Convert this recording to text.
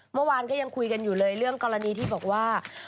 เมื่อวานก็ยังคุยกันอยู่เลยเรื่องกรณีที่บอกว่า